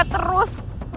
gak ada apa apa